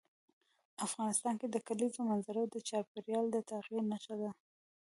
افغانستان کې د کلیزو منظره د چاپېریال د تغیر نښه ده.